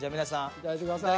いただいてください。